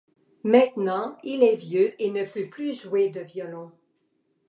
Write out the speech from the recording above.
Maintenant il est vieux et ne peut plus jouer de violon.